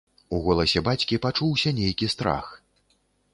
У голасе бацькі пачуўся нейкі страх.